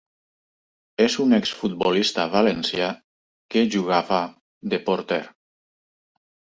És un exfutbolista valencià que jugava de porter.